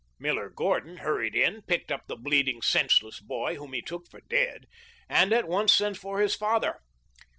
Miller Gordon hurried in, picked up the bleeding, senseless boy, whom he took for dead, and at once sent for his father.